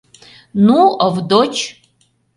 — Ну, Овдоч!